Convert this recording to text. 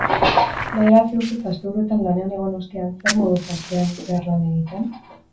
Bederatzi urtez asteburuetan lanean egon ostean, zer moduz astean zehar lan egiten?